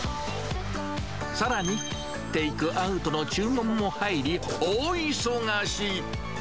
さらに、テイクアウトの注文も入り、大忙し。